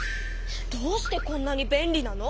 どうしてこんなに便利なの？